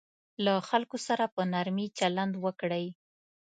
له خلکو سره په نرمي چلند وکړئ.